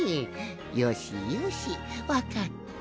よしよしわかった。